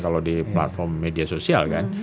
kalau di platform media sosial kan